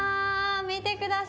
見てください